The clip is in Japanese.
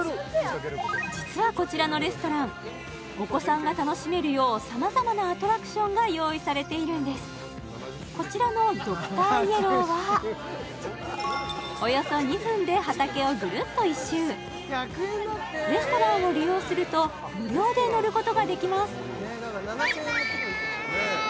実はこちらのレストランお子さんが楽しめるようさまざまなアトラクションが用意されているんですこちらのドクターイエローはおよそ２分で畑をぐるっと１周レストランを利用すると無料で乗ることができますバイバーイ！